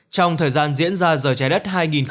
trong thời gian diễn ra giờ trái đất hai nghìn hai mươi